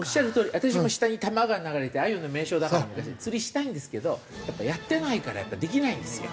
私も下に多摩川流れてアユの名所だから釣りしたいんですけどやっぱやってないからできないんですよ。